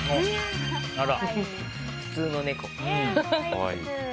普通の猫。